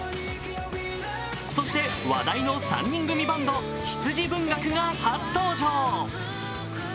そして、話題の３人組バンド、羊文学が初登場。